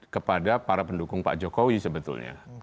kepada para pendukung pak jokowi sebetulnya